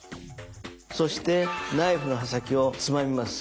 そしてナイフの刃先をつまみます。